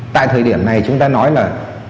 tại thời điểm này chúng ta nói là